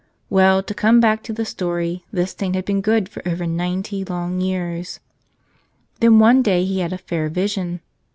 Well, to come back to the story, this saint had been good for over ninety long years. Then one day he had a fair vision.